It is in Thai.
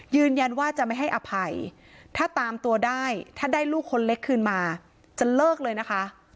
ยืนยันว่าจะไม่ให้อภัยถ้าตามตัวได้ถ้าได้ลูกคนเล็กคืนมาจะเลิกเลยนะคะ